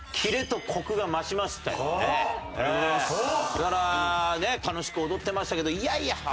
だから楽しく踊ってましたけどいやいや。